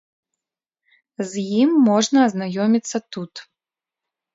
З ім можна азнаёміцца тут.